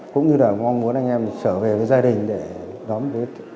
cũng như là mong muốn anh em trở về với gia đình để đón tết